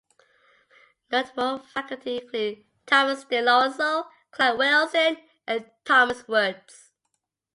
Notable faculty include Thomas DiLorenzo, Clyde Wilson, and Thomas Woods.